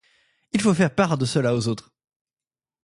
Il faut faire part de cela aux autres.